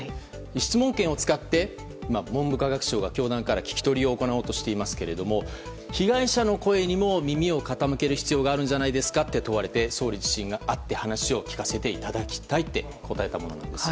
質問権を使って文部科学省が教団から聞き取りを行おうとしていますが被害者の声にも耳を傾ける必要があるんじゃないですかと問われて総理自身が、会って話を聞かせていただきたいと答えたものなんです。